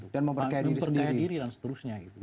dan memperkaya diri sendiri